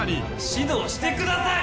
「指導してください！」